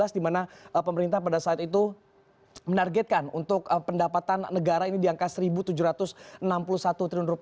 di mana pemerintah pada saat itu menargetkan untuk pendapatan negara ini di angka rp satu tujuh ratus enam puluh satu triliun